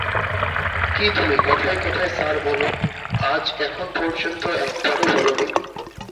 কী তুমি কথায়-কথায় স্যার বল, আজ এখন পর্যন্ত একবারও বল নি।